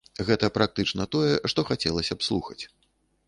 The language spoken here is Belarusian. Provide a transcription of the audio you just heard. Гэта практычна тое, што хацелася б слухаць.